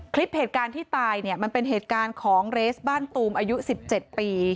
คลิปเหตุการณ์ที่ตายเนี่ยมันเป็นเหตุการณ์ของเรสบ้านตูมอายุ๑๗ปี